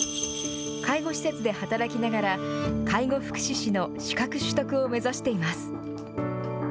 介護施設で働きながら、介護福祉士の資格取得を目指しています。